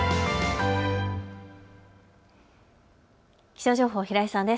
気象情報、平井さんです。